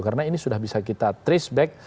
karena ini sudah bisa kita trace back